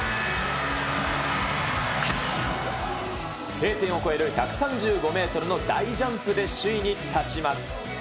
Ｋ点を越える１３５メートルの大ジャンプで首位に立ちます。